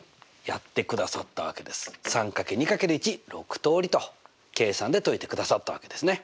３×２×１６通りと計算で解いてくださったわけですね。